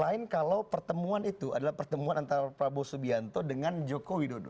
lain kalau pertemuan itu adalah pertemuan antara prabowo subianto dengan joko widodo